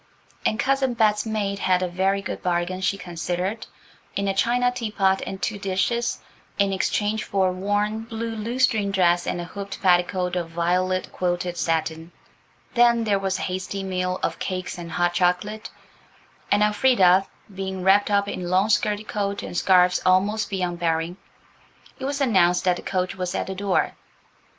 And Cousin Bet's maid had a very good bargain, she considered, in a china teapot and two dishes, in exchange for a worn, blue lutestring dress and a hooped petticoat of violet quilted satin. Then there was a hasty meal of cakes and hot chocolate, and, Elfrida being wrapped up in long skirted coat and scarves almost beyond bearing, it was announced that the coach was at the door.